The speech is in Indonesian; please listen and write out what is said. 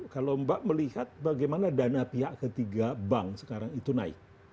kalau mbak melihat bagaimana dana pihak ketiga bank sekarang itu naik